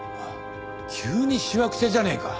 急にしわくちゃじゃねえか。